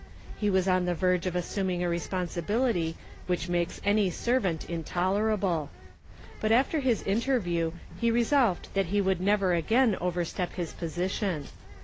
He was on the verge of assuming a responsibility which makes any servant intolerable. But after his interview he resolved that he would never again overstep his position.